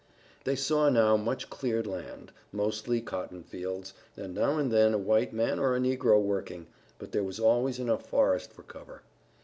They saw now much cleared land, mostly cotton fields, and now and then a white man or a negro working, but there was always enough forest for cover.